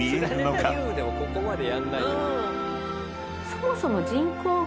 そもそも。